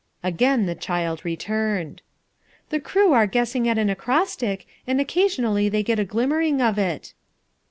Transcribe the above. Again the child returned. "The crew are guessing at an acrostic, and occasionally they get a glimmering of it."